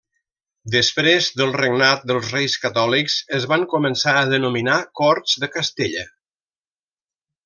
Després del regnat dels Reis Catòlics es van començar a denominar Corts de Castella.